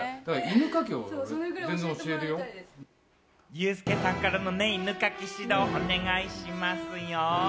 ユースケさんからの犬かき指導をお願いしますよ。